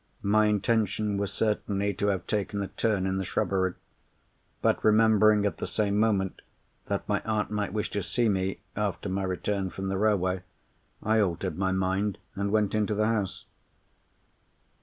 My intention was certainly to have taken a turn in the shrubbery. But, remembering at the same moment that my aunt might wish to see me, after my return from the railway, I altered my mind, and went into the house.